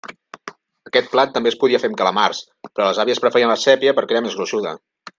Aquest plat també es podia fer amb calamars, però les àvies preferien la sépia perquè era més gruixuda.